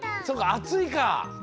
そうか暑いか。